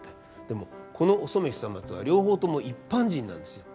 でもこのお染久松は両方とも一般人なんですよ。